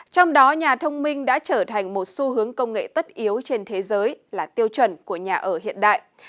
trong đó nhà thông minh đã trở thành một xu hướng công nghệ tất yếu trên thế giới là tiêu chuẩn của nhà ở hiện đại